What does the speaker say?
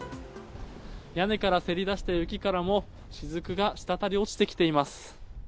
屋根からせり出した雪からもしずくがしたたり落ちています。